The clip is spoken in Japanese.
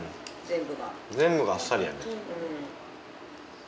全部があっさりやね。